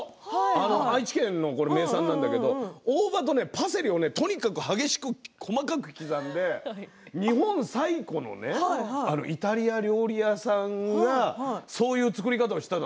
愛知県の名産なんだけれど大葉とアサリをとにかく激しく細かく刻んで日本最古のイタリア料理屋さんがそういう作り方をしたの。